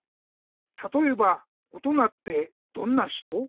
たとえばおとなってどんなひと？